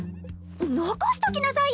残しときなさいよ